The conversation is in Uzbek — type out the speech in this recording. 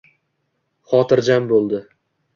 xotirjam bo‘ldi.